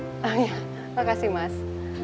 oh iya terima kasih mas